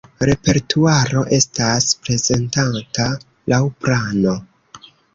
Repertuaro estas prezentata laŭ plano.